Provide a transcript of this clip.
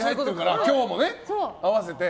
今日もね、合わせて。